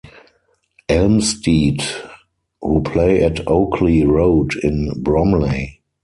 Elmstead, who play at Oakley Road in Bromley.